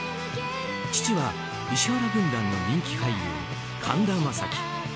父は石原軍団の人気俳優神田正輝。